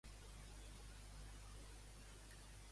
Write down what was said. Què li va passar finalment a Xolotl?